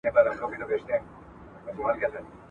تاسي تل د خپلو والدینو درناوی کوئ.